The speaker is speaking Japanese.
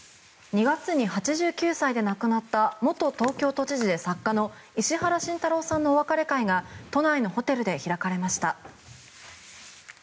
２月に８９歳で亡くなった元東京都知事で作家の石原慎太郎さんのお別れ会が都内のホテルで開かれました。